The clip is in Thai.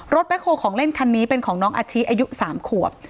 แบ็คโฮของเล่นคันนี้เป็นของน้องอาชิอายุ๓ขวบ